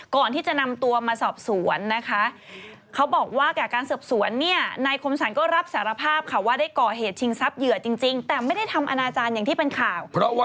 ก่อนที่จะนำตัวมาสอบสวนนะคะ